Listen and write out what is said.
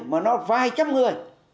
mà nó vài trăm người